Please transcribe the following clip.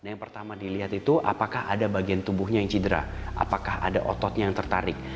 yang pertama dilihat itu apakah ada bagian tubuhnya yang cedera apakah ada otot yang tertarik